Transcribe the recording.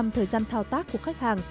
thời gian thao tác của khách hàng